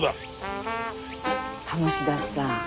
鴨志田さん。